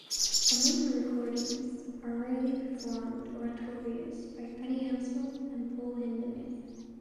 Among her recordings are rarely performed oratorios by Fanny Hensel and Paul Hindemith.